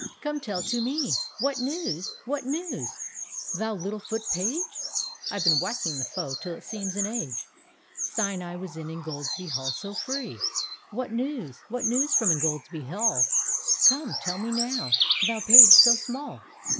Come tell to mcl What news? what news, thou little Foot page? — I've been whacking the foe till it seems an age Sine I was in Ingoldsby Hall so free! What news? what news from Ingoldsby Hall? Come tell me now, thou page so small!